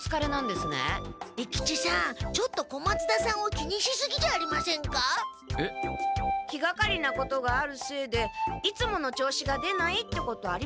気がかりなことがあるせいでいつもの調子が出ないってことありますから。